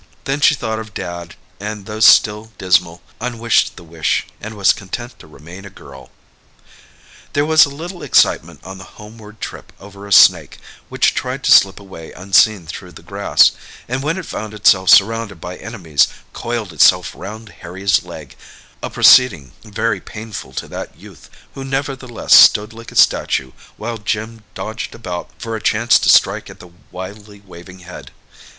Then she thought of Dad, and though still dismal, unwished the wish, and was content to remain a girl. There was a little excitement on the homeward trip over a snake, which tried to slip away unseen through the grass, and when it found itself surrounded by enemies, coiled itself round Harry's leg, a proceeding very painful to that youth, who nevertheless stood like a statue while Jim dodged about for a chance to strike at the wildly waving head.